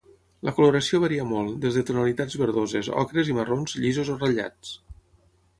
La coloració varia molt, des de tonalitats verdoses, ocres i marrons, llisos o ratllats.